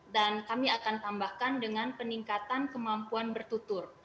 dan kami akan tambahkan dengan peningkatan kemampuan bertutur